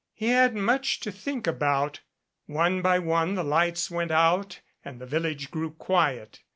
He had much to think about. One by one the lights went out, and the village grew quiet.